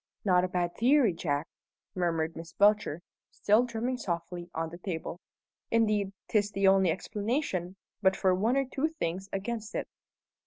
"Not a bad theory, Jack!" murmured Miss Belcher, still drumming softly on the table. "Indeed, 'tis the only explanation, but for one or two things against it."